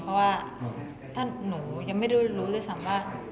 เพราะว่าถ้าหนูยังไม่รู้ซึ่งสมความว่า